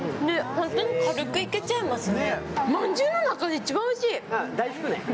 本当に軽くいけちゃいますね。